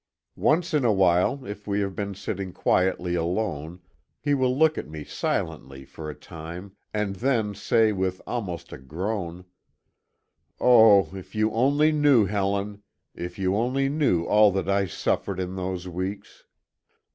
Once in a while, if we have been sitting quietly alone, he will look at me silently for a time, and then say with almost a groan: "Oh, if you only knew, Helen! If you only knew all that I suffered in those weeks!"